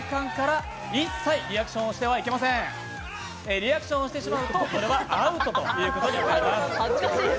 リアクションをしてしまうとアウトということになります。